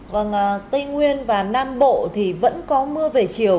vâng tây nguyên và nam bộ thì vẫn có mưa về chiều